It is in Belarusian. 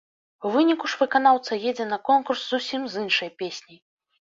У выніку ж выканаўца едзе на конкурс зусім з іншай песняй.